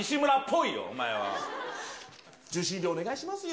受信料お願いしますよ。